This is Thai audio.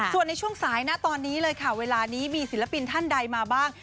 ส่วนในช่วงสายนะตอนนี้เลยค่ะเวลานี้มีศิลปินท่านใดมาบ้าง